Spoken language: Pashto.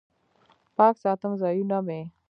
پاک ساتم ځایونه مې